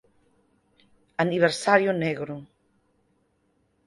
Aniversario negro